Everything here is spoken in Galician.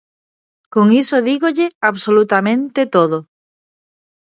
Con iso dígolle absolutamente todo.